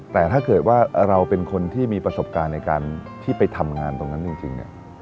แต่ถ้าเกิดว่าเราเป็นคนที่มีประสบการณ์ในการที่ไปทำงานตรงนั้นจริง